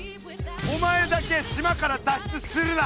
お前だけ島から脱出するな！